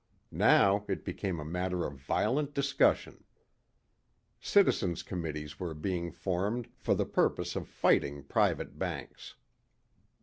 Now it became a matter of violent discussion. Citizens committees were being formed for the purpose of fighting private banks.